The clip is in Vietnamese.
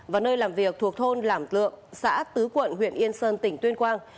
và nơi làm việc thuộc thôn lảm lượng xã tứ quận huyện yên sơn tỉnh tuyên quang